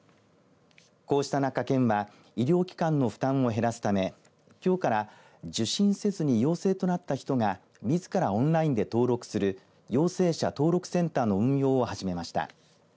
こうした中、県は医療機関の負担を減らすためきょうから受診せずに陽性となった人がみずからオンラインで登録する陽性者登録センターの運用を始めました。